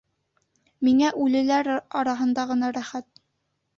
Миңә үлеләр араһында ғына рәхәт.